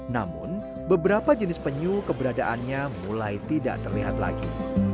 namun beberapa jenis penyu keberadaannya mulai tidak terlihat lagi